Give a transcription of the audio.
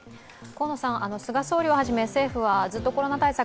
菅総理をはじめ政府はずっとコロナ対策